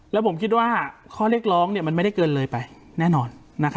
แล้วผมคิดว่าข้อเรียกร้องมันไม่ได้เกินเลยไปแน่นอน